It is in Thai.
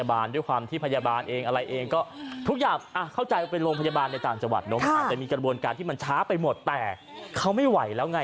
อาจมีกระบวนการที่ช้าไปหมดแต่เขาไม่ไหวแล้วไง